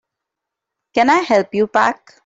Can I help you pack?